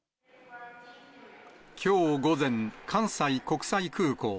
きょう午前、関西国際空港。